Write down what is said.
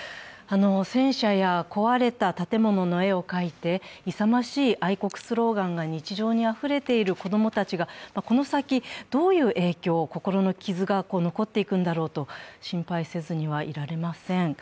戦車や壊れた建物の絵を描いて勇ましい愛国スローガンが日常にあふれている子供たちがこの先どういう影響、心の傷が残っていくんだろうと心配せずにはいられません。